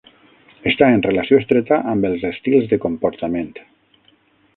Està en relació estreta amb els estils de comportament.